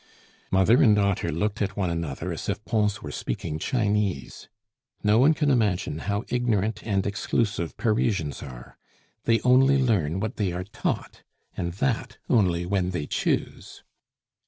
Mother and daughter looked at one another as if Pons were speaking Chinese. No one can imagine how ignorant and exclusive Parisians are; they only learn what they are taught, and that only when they choose.